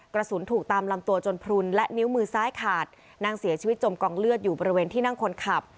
กระสุนถูกตามลำตัวจนพลุนและนิ้วมือซ้ายขาดนั่งเสียชีวิตจมกองเลือดอยู่บริเวณที่นั่งคนขับ